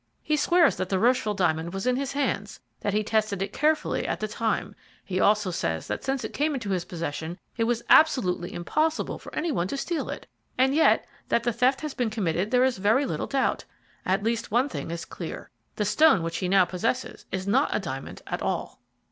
He swears that the Rocheville diamond was in his hands, that he tested it carefully at the time; he also says that since it came into his possession it was absolutely impossible for any one to steal it, and yet that the theft has been committed there is very little doubt. At least one thing is clear, the stone which he now possesses is not a diamond at all."